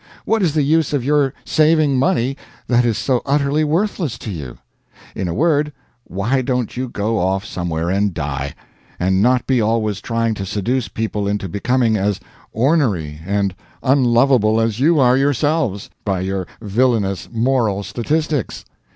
What is the use of your saving money that is so utterly worthless to you? In a word, why don't you go off somewhere and die, and not be always trying to seduce people into becoming as "ornery" and unlovable as you are yourselves, by your villainous "moral statistics"?